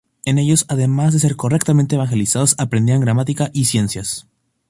En ellos además de ser correctamente evangelizados aprendían gramática y ciencias.